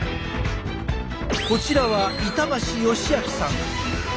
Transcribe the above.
こちらは板橋義哲さん。